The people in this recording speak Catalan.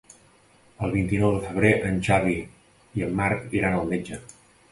El vint-i-nou de febrer en Xavi i en Marc iran al metge.